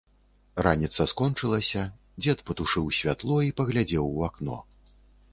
Раніца скончылася, дзед патушыў святло і паглядзеў у акно.